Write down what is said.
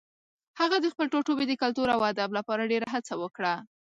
هغه د خپل ټاټوبي د کلتور او ادب لپاره ډېره هڅه وکړه.